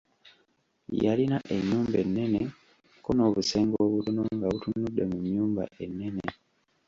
Yalina ennyumba ennene ko n'obusenge obutono nga butunudde mu nnyumba ennene.